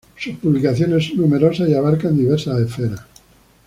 Sus publicaciones son numerosas y abarcan diversas esferas.